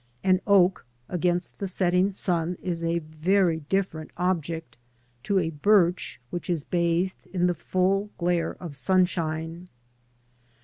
An oak against the setting sun is a very different object to a birch which is bathed in the full glare of sunshine.